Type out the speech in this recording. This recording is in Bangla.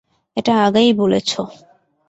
এটা আগেই বলেছো।